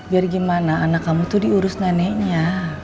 biar gimana anak kamu itu diurus neneknya